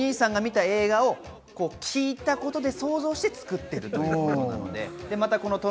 最初、お兄さんが見た映画を聞いたことで想像して作ってるということです。